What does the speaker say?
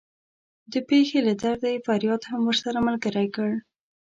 د پښې له درده یې فریاد هم ورسره ملګری کړ.